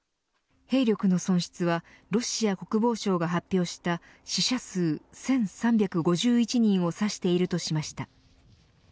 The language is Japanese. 兵力の損失はロシア国防省が発表した死者数１３５１人を指しているとしました。